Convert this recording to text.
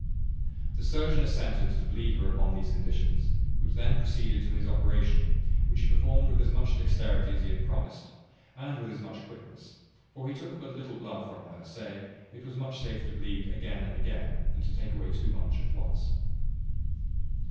The surgeon assented to bleed her upon these conditions, and then proceeded to his operation, which he performed with as much dexterity as he had promised; and with as much quickness: for he took but little blood from her, saying, it was much safer to bleed again and again, than to take away too much at once.